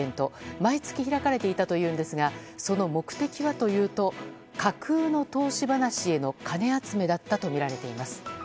毎月開かれていたというんですがその目的はというと架空の投資話への金集めだったとみられています。